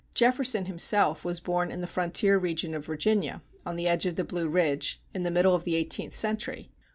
Jefferson himself was born in the frontier region of Virginia, on the edge of the Blue Ridge, in the middle of the eighteenth century.